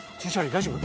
大丈夫？